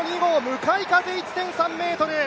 向かい風１．３メートル。